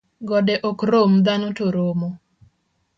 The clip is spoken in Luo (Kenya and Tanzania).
Gode ok rom dhano to romo